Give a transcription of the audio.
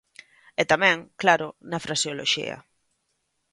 E tamén, claro, na fraseoloxía.